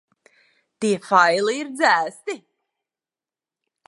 Tie faili ir dzēsti.